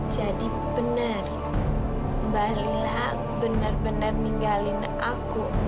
jadi benar mba lila benar benar ninggalin aku